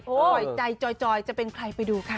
โอ้โฮใหม่ใจจอยจะเป็นใครไปดูค่ะ